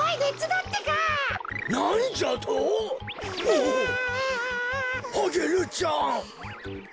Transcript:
おおアゲルちゃん。